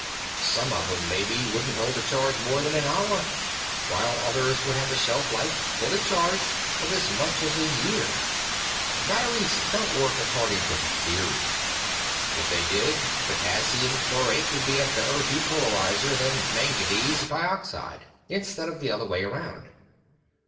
Some of 'em, maybe, wouldn't hold a charge more than an hour, while others would have a shelf life, fully charged, of as much as a year. Batteries don't work according to theory. If they did, potassium chlorate would be a better depolarizer than manganese dioxide, instead of the other way around.